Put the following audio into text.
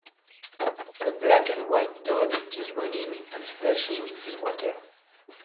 A black and white dog is running and splashing in water.